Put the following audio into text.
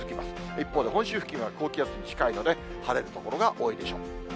一方で本州付近は高気圧に近いので、晴れる所が多いでしょう。